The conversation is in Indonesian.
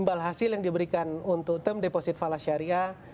sebenarnya imbalan yang diberikan untuk term deposit vala syariah